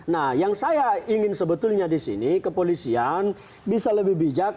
nah yang saya ingin sebetulnya di sini kepolisian bisa lebih bijak